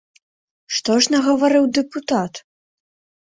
Што ж нагаварыў дэпутат?